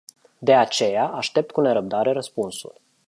De aceea aștept cu nerăbdare răspunsul.